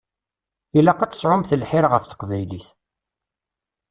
Ilaq ad tesɛumt lḥir ɣef teqbaylit.